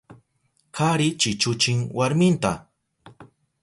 Kari chichuchin warminta.